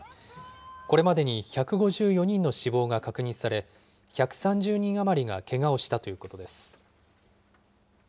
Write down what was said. これまでに１５４人の死亡が確認され、１３０人余りがけがをしたということです。